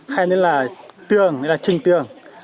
hay nên là tường hay là trịnh tường